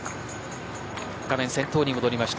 画面、先頭に戻りました。